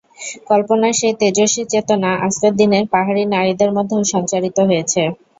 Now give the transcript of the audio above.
কল্পনার সেই তেজস্বী চেতনা আজকের দিনের পাহাড়ি নারীদের মধ্যেও সঞ্চারিত হয়েছে।